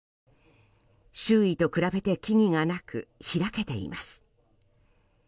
周囲と比べて木々がなく開けています。